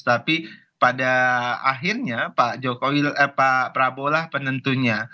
tapi pada akhirnya pak prabowo lah penentunya